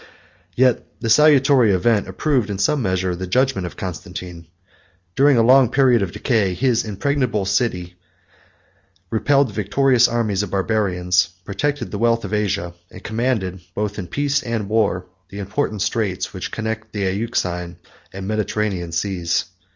Yet the salutary event approved in some measure the judgment of Constantine. During a long period of decay, his impregnable city repelled the victorious armies of Barbarians, protected the wealth of Asia, and commanded, both in peace and war, the important straits which connect the Euxine and Mediterranean Seas.